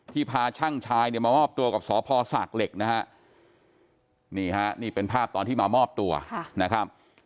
พาช่างชายเนี่ยมามอบตัวกับสพศากเหล็กนะฮะนี่ฮะนี่เป็นภาพตอนที่มามอบตัวนะครับ